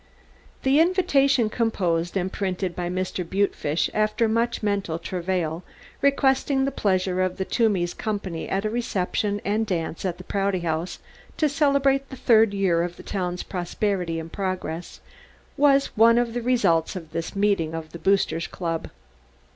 The invitation composed and printed by Mr. Butefish after much mental travail, requesting the pleasure of the Toomeys' company at a reception and dance in the Prouty House to celebrate the third year of the town's prosperity and progress was one of the results of this meeting of the Boosters Club.